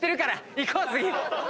行こう次。